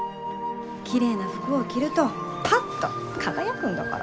綺麗な服を着るとパッと輝くんだから。